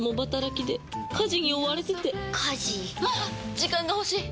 時間が欲しい！